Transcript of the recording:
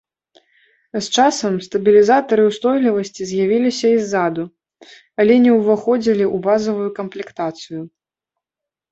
З часам стабілізатары ўстойлівасці з'явіліся і ззаду, але не ўваходзілі ў базавую камплектацыю.